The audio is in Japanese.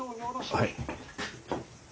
はい。